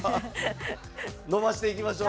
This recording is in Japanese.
伸ばしていきましょう。